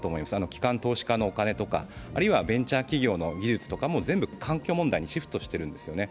機関投資家のお金とか、あるいはベンチャー企業の技術とかも全部環境問題にシフトしてるんですね。